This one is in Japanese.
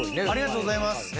ありがとうございます。